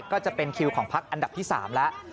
ก็จะเป็นคิวของพักอันดับที่๓แล้ว